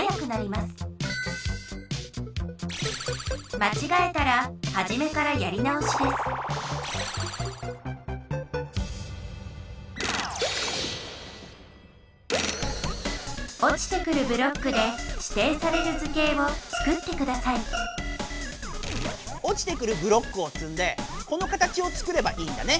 まちがえたらはじめからやり直しですおちてくるブロックでしていされる図形をつくってくださいおちてくるブロックをつんでこの形をつくればいいんだね。